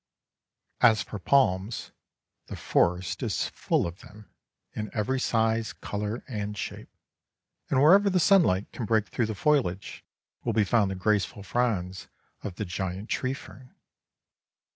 As for palms, the forest is full of them, in every size, colour, and shape; and wherever the sunlight can break through the foliage will be found the graceful fronds of the giant tree fern.